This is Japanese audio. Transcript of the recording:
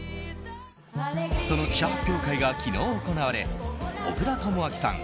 その記者発表会が昨日、行われ小倉智昭さん